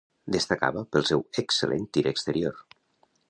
Destacava pel seu excel·lent tir exterior.